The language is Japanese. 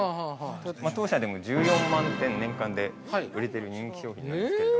◆当社でも１４万点年間で売れている人気商品なんですけれども。